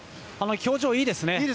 表情、いいですね。